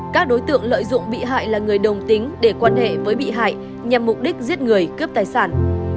các đối tượng lợi dụng bị hại là người đồng tính để quan hệ với bị hại nhằm mục đích giết người cướp tài sản